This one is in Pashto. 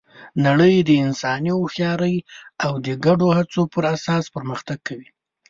نړۍ د انساني هوښیارۍ او د ګډو هڅو پر اساس پرمختګ کوي.